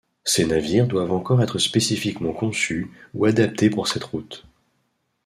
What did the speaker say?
Ces navires doivent encore être spécifiquement conçus ou adaptés pour cette route.